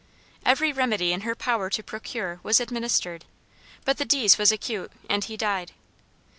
Every remedy in her power to procure was administered, but the disease was acute, and he died.